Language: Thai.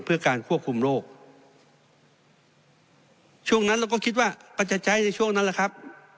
เพื่อการควบคุมโรคช่วงนั้นเราก็คิดว่าก็จะใช้ในช่วงนั้นแหละครับ